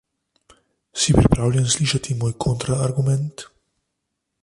Si pripravljen slišati moj kontra argument?